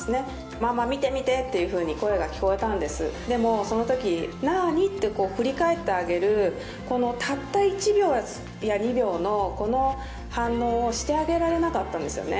「ママ見て見て」っていうふうに声が聞こえたんですでもそのとき「なあに？」って振り返ってあげるこのたった１秒や２秒のこの反応をしてあげられなかったんですよね